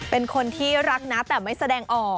เป็นคนที่รักนะแต่ไม่แสดงออก